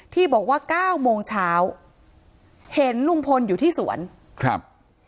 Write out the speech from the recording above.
ที่บอกว่าเก้าโมงเช้าเห็นลุงพลอยู่ที่สวนครับ